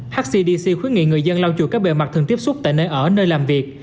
hcdc khuyến nghị người dân lau chùi các bề mặt thường tiếp xúc tại nơi ở nơi làm việc